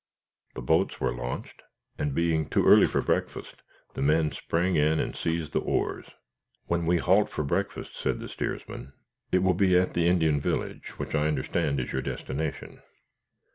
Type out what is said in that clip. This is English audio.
The boats were launched, and being too early for breakfast, the men sprang in and seized the oars. "When we halt for breakfast," said the steersman, "it will be at the Indian village, which I understand is your destination."